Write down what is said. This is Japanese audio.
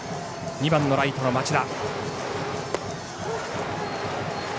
２番のライトの町田。